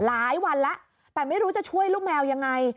หลายวันแล้วแต่ไม่รู้จะช่วยลูกแมวยังไง